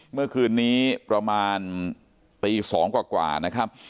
เมื่อคืนนี้ประมาณตี๒กว่านะครับ